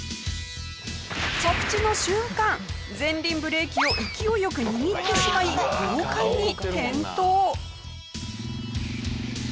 着地の瞬間前輪ブレーキを勢いよく握ってしまい豪快に転倒。